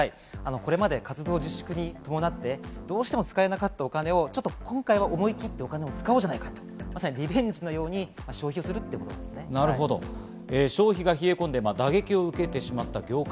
これまで活動自粛に伴って、どうしても使えなかったお金を今回、思い切ってお金を使おうじゃないかと、まさにリベンジのように消費するということ消費が冷え込んで、打撃を受けてしまった業界。